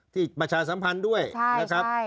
ประชาสัมพันธ์ด้วยนะครับ